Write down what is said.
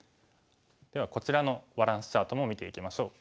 ではこちらのバランスチャートも見ていきましょう。